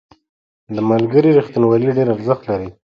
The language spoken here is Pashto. • د ملګري رښتینولي ډېر ارزښت لري.